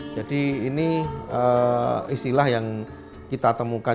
jadi ini istilah yang kita temukan